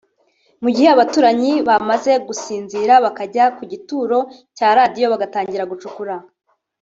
mu gihe abaturanyi bamaze gusinzira bakajya kugituro cya Radio bagatangira gucukura